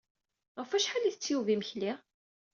Ɣef wacḥal i isett Yuba imekli?